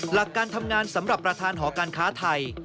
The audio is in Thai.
หลักการทำงานสำหรับประธานหอการค้าไทย